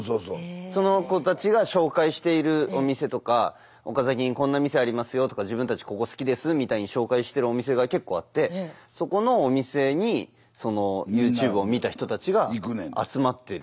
その子たちが紹介しているお店とか岡崎にこんな店ありますよとか自分たちここ好きですみたいに紹介してるお店が結構あってそこのお店にそのＹｏｕＴｕｂｅを見た人たちが集まってる。